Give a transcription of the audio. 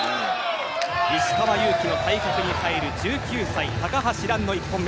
石川祐希の対角に入る１９歳、高橋藍の１本目。